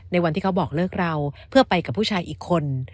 ในวันที่เขาบอกเลิกเราเพื่อไปกับผู้ชายอีกคน